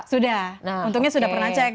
sudah untungnya sudah pernah cek